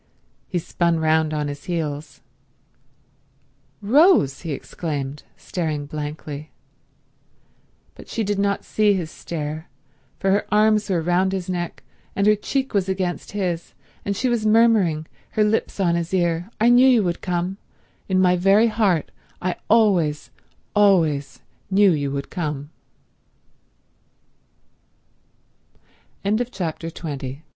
He spun round on his heels. "Rose!" he exclaimed, staring blankly. But she did not see his stare, for her arms were round his neck, and her cheek was against his, and she was murmuring, her lips on his ear, "I knew you would come—in my very heart I always, always knew you would come—" Chapter 21